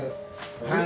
はい。